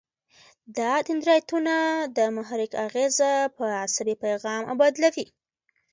دا دندرایدونه د محرک اغیزه په عصبي پیغام بدلوي.